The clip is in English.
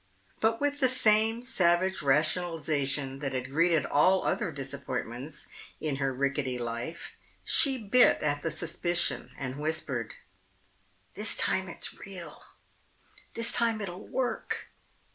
But with the same savage rationalization that had greeted all other disappointments in her rickety life, she bit at the suspicion and whispered, "This time it's real. This time it'll work.